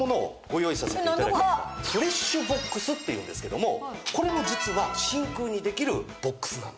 今回フレッシュボックスっていうんですけどもこれも実は真空にできるボックスなんです。